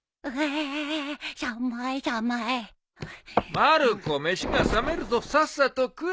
まる子飯が冷めるぞさっさと食え。